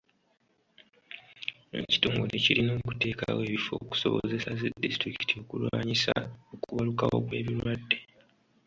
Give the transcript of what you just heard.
Ekitongole kirina okuteekawo ebifo okusobozesa zi disitulikiti okulwanyisa okubalukawo kw'ebirwadde.